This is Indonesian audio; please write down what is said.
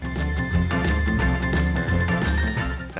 namun perlu diingat bagi yang beresiko kolesterol tinggi tetap atur pola makan ya